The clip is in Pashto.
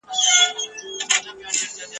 موسیقي ځینې خلک خوشاله کوي.